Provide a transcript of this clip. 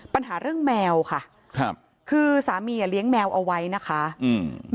ปัญหาเรื่องแมวค่ะครับคือสามีอ่ะเลี้ยงแมวเอาไว้นะคะอืม